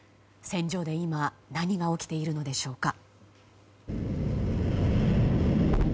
戦場で今何が起きているのでしょうか。